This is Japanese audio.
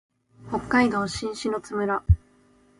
北海道新篠津村